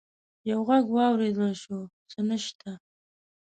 يو غږ واورېدل شو: څه نشته!